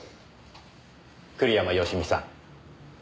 栗山佳美さん。